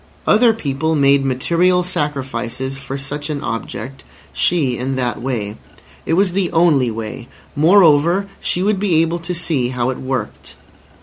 Other people made material sacrifices for such an object, she in that way. It was the only way. Moreover, she would be able to see how it worked.